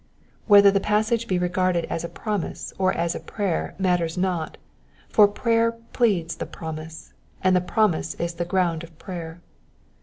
Whether the passage be regarded as a promise or as a prayer matters not, for prayer pleads the promise, and the promise is the ground of prayer.